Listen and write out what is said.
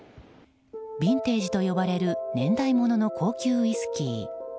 ビンテージと呼ばれる年代物の高級ウイスキー。